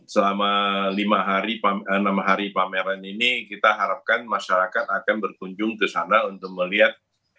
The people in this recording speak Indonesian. selama enam hari pameran ini kita harapkan masyarakat akan berkunjung ke sana untuk melihat